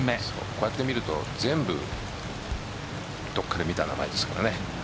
こうやってみると全部どこかで見た名前ですけどね。